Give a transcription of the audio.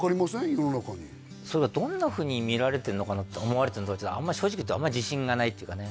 世の中にそれがどんなふうに見られてるのか思われてるのか正直いうとあんまり自信がないっていうかね